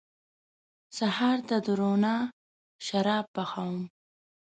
سهار ته د روڼا شراب پخوم